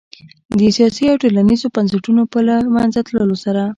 د سیاسي او ټولنیزو بنسټونو په له منځه تلو سره